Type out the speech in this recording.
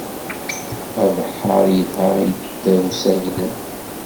Abeḥḥer yelha i tdawsa-nnem.